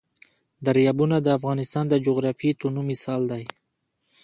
دریابونه د افغانستان د جغرافیوي تنوع مثال دی.